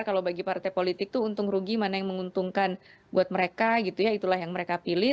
kalau bagi partai politik itu untung rugi mana yang menguntungkan buat mereka gitu ya itulah yang mereka pilih